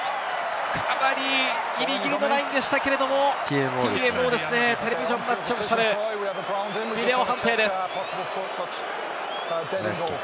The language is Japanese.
かなりギリギリのところでしたが、テレビジョン・マッチ・オフィシャル、ビデオ判定です。